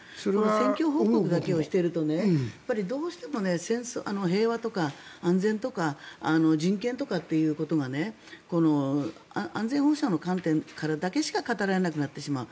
戦況報告だけをしているとどうしても平和とか安全とか人権とかということが安全保障の観点からだけしか語られなくなってしまう。